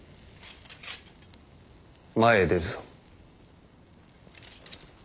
前へ出るぞ。